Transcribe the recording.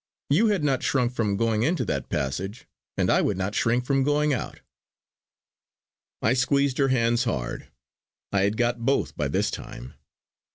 You had not shrunk from going into that passage; and I would not shrink from going out." I squeezed her hands hard, I had got both by this time.